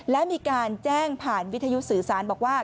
และมีการแจ้งผ่านวิทยุสื่อสารบอกว่า